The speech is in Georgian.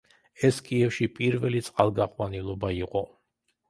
ეს კიევში პირველი წყალგაყვანილობა იყო.